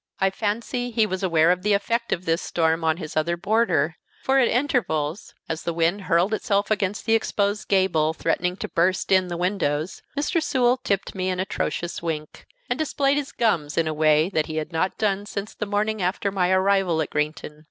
I fancy he was aware of the effect of this storm on his other boarder; for at intervals, as the wind hurled itself against the exposed gable, threatening to burst in the windows, Mr. Sewell tipped me an atrocious wink, and displayed his gums in a way he had not done since the morning after my arrival at Greenton.